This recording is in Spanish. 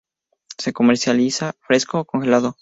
Se comercializa fresco o congelado.